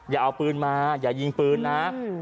อย่าเอาปืนมาอย่ายิงปืนนะ